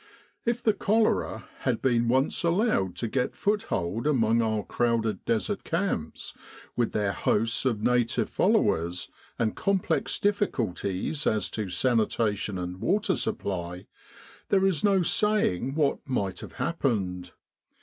If the cholera had been once allowed to get foothold among our crowded Desert camps, with their hosts of native followers, and complex difficulties as to sanitation and water supply, there is no saying what might have happened.